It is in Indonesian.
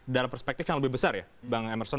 dalam perspektif yang lebih besar ya bang emerson